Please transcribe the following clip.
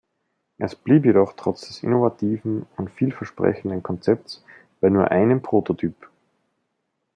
Es blieb jedoch trotz des innovativen und vielversprechenden Konzepts bei nur einem Prototyp.